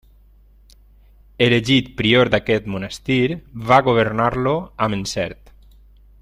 Elegit prior d'aquest monestir va governar-lo amb encert.